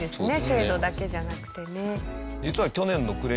制度だけじゃなくてね。